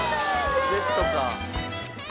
ベッドか。